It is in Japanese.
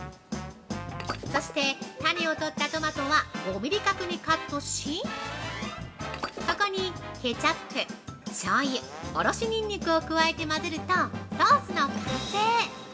◆そして、種を取ったトマトは５ミリ角にカットしここにケチャップ、しょうゆ、おろしニンニクを加えて混ぜるとソースの完成。